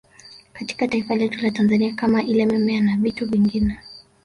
Katika taifa letu la Tanzania kama ile mimea na vitu vingine